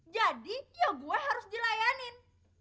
jadi ya gue harus dilayanin